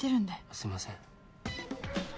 すいません。